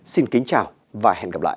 xin kính chào và hẹn gặp lại